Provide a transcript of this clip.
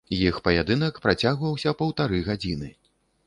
Іх паядынак працягваўся паўтары гадзіны.